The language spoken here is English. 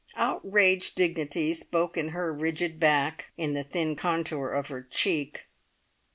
Outraged dignity spoke in her rigid back, in the thin contour of her cheek.